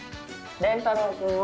れんたろうくんは？